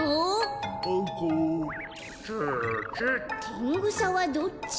「テングサはどっち？」。